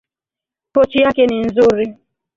Pochi yake ni nzuri.